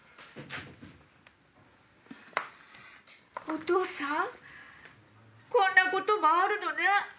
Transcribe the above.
お父さんこんなこともあるのね。